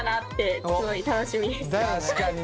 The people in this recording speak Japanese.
確かに。